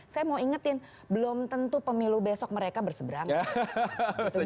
saya mau ingetin belum tentu pemilu besok mereka berseberangan